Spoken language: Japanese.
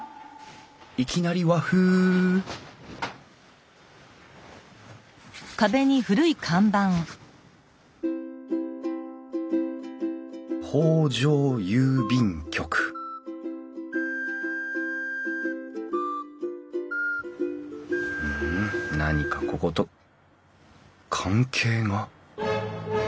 いきなり和風「北条郵便局」ふん何かここと関係が？